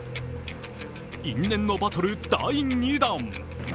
因縁のバトル第２弾。